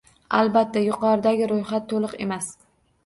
Albatta, yuqoridagi ro’yxat to’liq emas